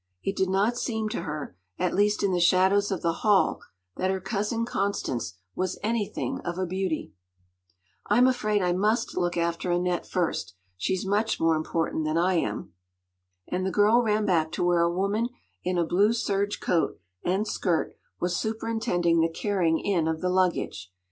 It did not seem to her, at least in the shadows of the hall, that her cousin Constance was anything of a beauty. “I’m afraid I must look after Annette first. She’s much more important than I am!” And the girl ran back to where a woman in a blue serge coat and skirt was superintending the carrying in of the luggage.